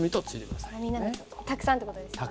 たくさんって事ですよね。